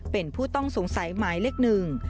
เป็นผู้ต้องสงสัยหมายเลขหนึ่ง